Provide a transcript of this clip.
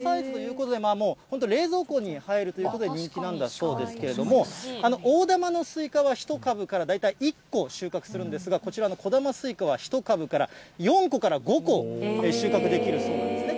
こういうサイズということで、もう本当、冷蔵庫に入るということで、人気なんだそうですけれども、大玉のスイカは１株から大体、１個収穫するんですが、こちら、こだまスイカは、１株から４個から５個収穫できるそうなんですね。